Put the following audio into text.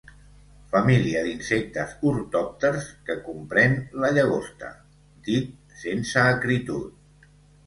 Família d'insectes ortòpters que comprèn la llagosta, dit sense acritud.